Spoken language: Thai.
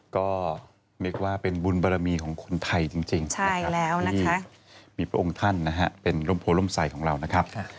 ก็เรียกว่าเป็นบุญบารมีของคนไทยจริงที่มีพระองค์ท่านเป็นโรงโพลมใส่ของเรานะครับ